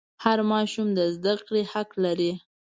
هر ماشوم د زده کړې حق لري.